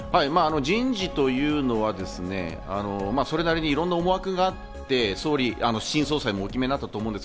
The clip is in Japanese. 人事というのは、それなりに、いろんな思惑があって、新総裁もお決めになったと思うんです。